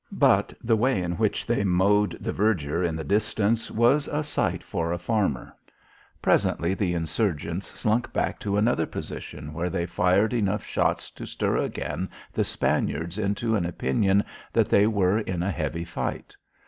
But, the way in which they mowed the verdure in the distance was a sight for a farmer. Presently the insurgents slunk back to another position where they fired enough shots to stir again the Spaniards into an opinion that they were in a heavy fight.